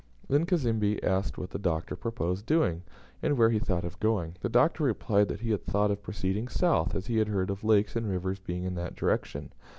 Then Cazembe asked what the Doctor proposed doing, and where he thought of going. The Doctor replied that he had thought of proceeding south, as he had heard of lakes and rivers being in that direction.